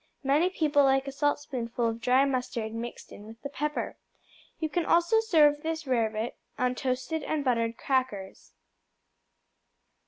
Many people like a saltspoonful of dry mustard mixed in with the pepper. You can also serve this rarebit on toasted and buttered crackers.